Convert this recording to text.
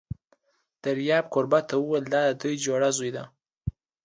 دریاب کوربه ته وویل: دا دې جوړې زوی دی!